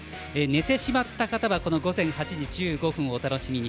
寝てしまった方はこの午前８時１５分、お楽しみに。